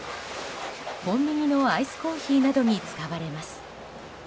コンビニのアイスコーヒーなどに使われます。